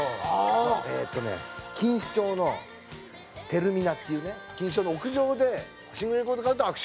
えーっとね錦糸町のテルミナっていうね錦糸町の屋上でシングルレコード買うと握手。